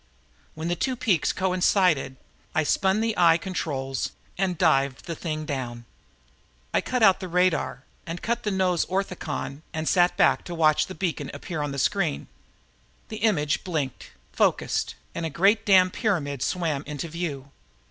When the two peaks coincided, I spun the eye controls and dived the thing down. I cut out the radar and cut in the nose orthicon and sat back to watch the beacon appear on the screen. The image blinked, focused and a great damn pyramid swam into view.